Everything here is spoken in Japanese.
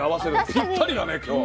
ぴったりだね今日。